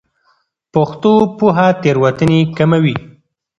پښتو پوهه تېروتنې کموي.